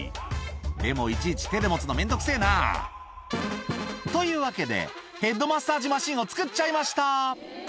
でも、いちいち手で持つの、めんどくせーなー。というわけで、ヘッドマッサージマシンを作っちゃいました。